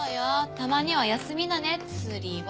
たまには休みなね釣りを。